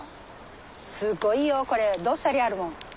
すごいよこれどっさりあるもん。